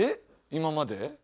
今まで？